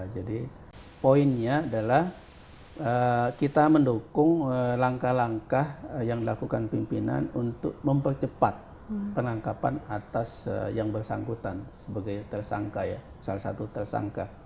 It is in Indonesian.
jadi poinnya adalah kita mendukung langkah langkah yang dilakukan pimpinan untuk mempercepat perlengkapan atas yang bersangkutan sebagai tersangka ya salah satu tersangka dalam kasus